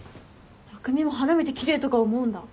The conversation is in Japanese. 匠も花見て奇麗とか思うんだ。